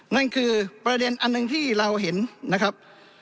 นั่นคือประเด็นอันหนึ่งที่เราเห็นนะครับ